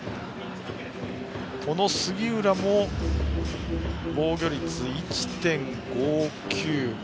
この杉浦も防御率１．５９。